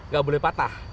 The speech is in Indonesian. gak boleh patah